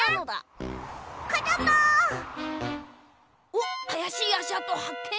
おっあやしいあしあとはっけん！